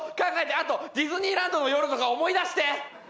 あとディズニーランドの夜とか思い出して！